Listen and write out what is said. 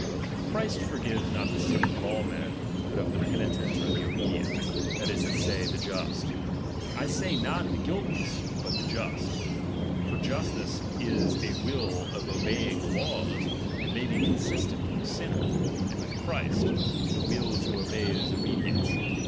For Christ forgives not the sins of all men, but of the peni tent or the obedient, that is to say, the Just. I say not the guiltless, but t\ie just ; iot justice is a will of obeying the laws, and may be consistent with a sinner ; and with Christ, the will to obey is obedience.